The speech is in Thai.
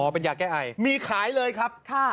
เป็นยาแก้ไอมีขายเลยครับ